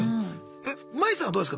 えマイさんはどうですか？